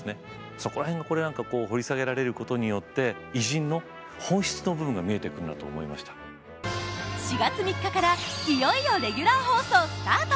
そこら辺を掘り下げられることによって４月３日からいよいよレギュラー放送スタート！